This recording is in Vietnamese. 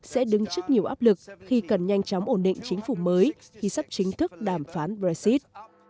sẽ đứng trước nhiều áp lực khi cần nhanh chóng ổn định chính phủ mới khi sắp chính thức đàm phán brexit